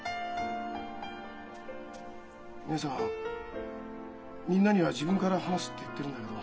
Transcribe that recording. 義姉さん「みんなには自分から話す」って言ってるんだけど。